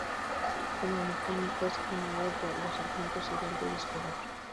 Como mecánicos iban a bordo los sargentos Hidalgo y Escobar.